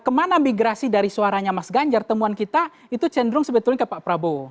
karena memang kemana migrasi dari suaranya mas ganjar temuan kita itu cenderung sebetulnya ke pak prabowo